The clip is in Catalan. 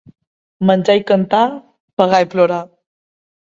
Menjar i cantar, pagar i plorar.